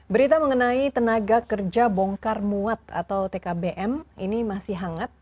berita mengenai tenaga kerja bongkar muat atau tkbm ini masih hangat